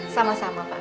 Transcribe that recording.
sama sama pak yai